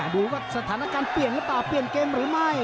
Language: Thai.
ดูสถานการณ์เปลี่ยนแล้วต่อเปลี่ยนเกมหรือไม่